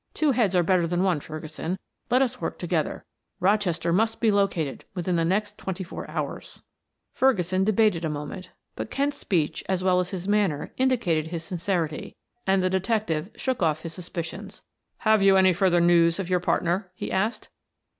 "Two heads are better than one, Ferguson; let us work together. Rochester must be located within the next twenty four hours." Ferguson debated a moment, but Kent's speech as well as his manner indicated his sincerity, and the detective shook off his suspicions. "Have you had any further news of your partner?" he asked.